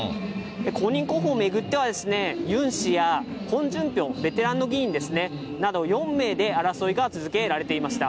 公認候補を巡っては、ユン氏やホン・ジュンピョ、ベテラン議員ですね、など４名で争いが続けられていました。